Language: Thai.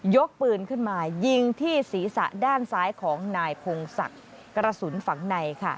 กปืนขึ้นมายิงที่ศีรษะด้านซ้ายของนายพงศักดิ์กระสุนฝังในค่ะ